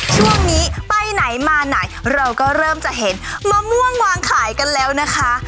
ช่วงนี้ไปไหนมาไหนเราก็เริ่มจะเห็นมะม่วงวางขายกันแล้วนะคะ